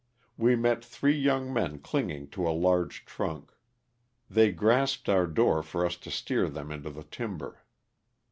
We met three young men clinging to a large trunk; they grasped our door for us to steer them into the timber.